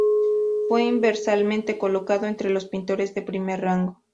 Fue universalmente colocado entre los pintores de primer rango.